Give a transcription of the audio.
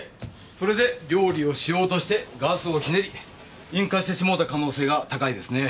それで料理をしようとしてガスをひねり引火してしもうた可能性が高いですね。